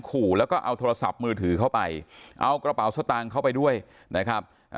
ขู่แล้วก็เอาโทรศัพท์มือถือเข้าไปเอากระเป๋าสตางค์เข้าไปด้วยนะครับ